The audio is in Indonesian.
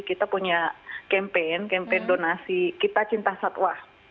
kita punya campaign campaign donasi kita cinta satwa